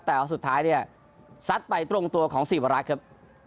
แต่ว่าสุดท้ายเนี่ยซัดไปตรงตัวของศรีวรักษ์ครับ